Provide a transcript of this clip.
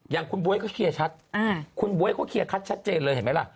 อย่างคุณบ๊วยก็เคลียร์ชัดคุณบ๊วยเขาเคลียร์ชัดชัดเจนเลยเห็นไหมล่ะ